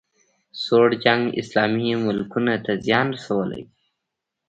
سوړ جنګ اسلامي ملکونو ته زیان رسولی